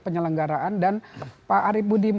penyelenggaraan dan pak arief budi